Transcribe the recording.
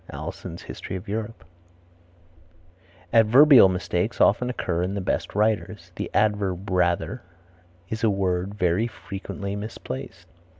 Alison's History of Europe. Adverbial mistakes often occur in the best writers. The adverb rather is a word very frequently misplaced.